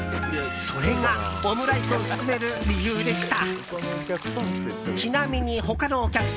それが、オムライスを勧める理由でした。